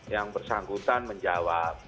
yang bersangkutan menjawab